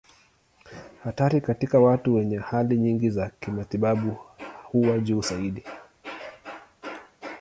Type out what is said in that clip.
Hatari katika watu wenye hali nyingi za kimatibabu huwa juu zaidi.